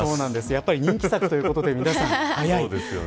やはり人気作ということで皆さん、早い。